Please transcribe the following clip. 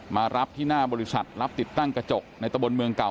มารับที่หน้าบริษัทรับติดตั้งกระจกในตะบนเมืองเก่า